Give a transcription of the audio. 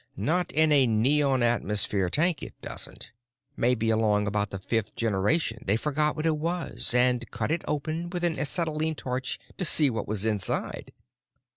Not in a neon atmosphere tank it doesn't." "Maybe along about the fifth generation they forgot what it was and cut it open with an acetylene torch to see what was inside."